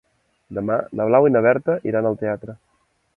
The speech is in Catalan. Demà na Blau i na Berta iran al teatre.